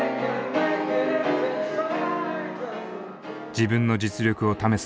自分の実力を試す